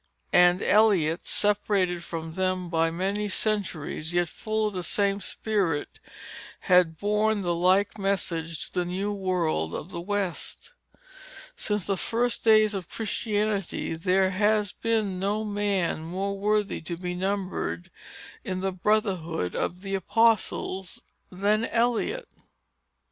And Eliot, separated from them by many centuries, yet full of the same spirit, had borne the like message to the new world of the West. Since the first days of Christianity, there has been no man more worthy to be numbered in the brotherhood of the apostles, than Eliot.